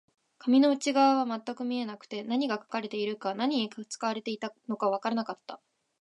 紙の内側は全く見えなくて、何が書かれているのか、何に使われていたのかわからなかった